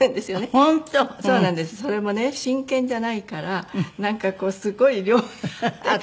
それもね新券じゃないからなんかこうすごい量があって。